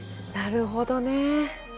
なるほどね。